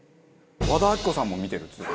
和田アキ子さんも見てるっつってた。